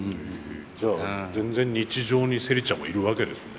じゃあ全然日常にセリちゃんはいるわけですね。